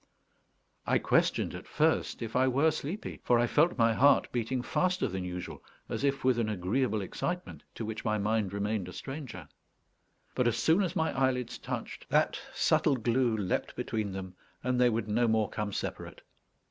I questioned at first if I were sleepy, for I felt my heart beating faster than usual, as if with an agreeable excitement to which my mind remained a stranger. But as soon as my eyelids touched, that subtle glue leaped between them, and they would no more come separate.